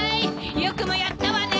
よくもやったわね！